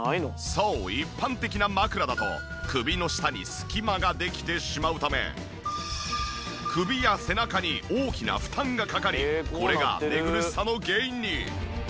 そう一般的な枕だと首の下に隙間ができてしまうため首や背中に大きな負担がかかりこれが寝苦しさの原因に。